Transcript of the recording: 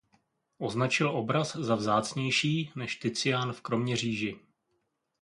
Označil obraz za vzácnější než „Tizian v Kroměříži“.